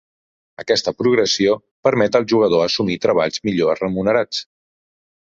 Aquesta progressió permet al jugador assumir treballs millor remunerats.